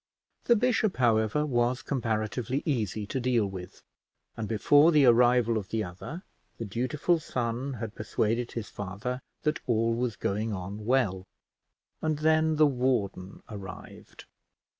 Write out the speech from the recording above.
The bishop, however, was comparatively easy to deal with; and before the arrival of the other, the dutiful son had persuaded his father that all was going on well, and then the warden arrived.